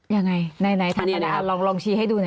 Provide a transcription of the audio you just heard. ยังไงไหนทางตลาดลองชี้ให้ดู